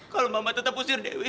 kalau mama tetap usir dewi